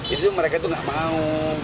jadi mereka itu nggak mau